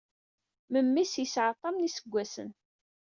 Memmi-s yesɛa tam n yiseggasen.